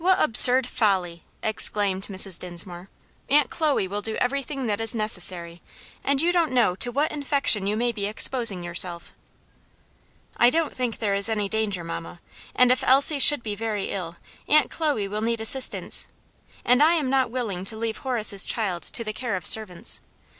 "What absurd folly!" exclaimed Mrs. Dinsmore. "Aunt Chloe will do everything that is necessary, and you don't know to what infection you may be exposing yourself." "I don't think there is any danger, mamma; and if Elsie should be very ill Aunt Chloe will need assistance; and I am not willing to leave Horace's child to the care of servants.